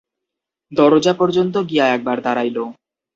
দরজা পর্যন্ত গিয়া একবার দাঁড়াইল।